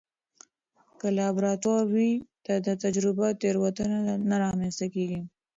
که لابراتوار وي، د تجربو تېروتنه نه رامنځته کېږي.